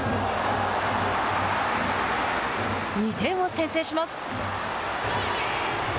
２点を先制します。